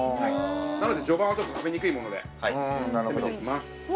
なので序盤はちょっと食べにくいもので攻めていきます。